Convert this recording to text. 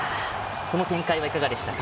この展開はいかがでしたか？